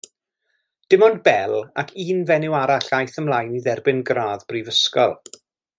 Dim ond Bell ac un fenyw arall a aeth ymlaen i dderbyn gradd brifysgol.